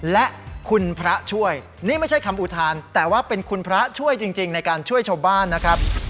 และคุณพระช่วยนี่ไม่ใช่คำอุทานแต่ว่าเป็นคุณพระช่วยจริงในการช่วยชาวบ้านนะครับ